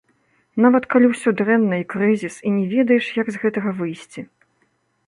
Нават калі ўсё дрэнна і крызіс, і не ведаеш, як з гэтага выйсці.